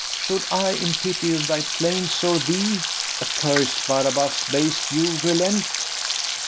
FERNEZE. Should I in pity of thy plaints or thee, Accursed Barabas, base Jew, relent?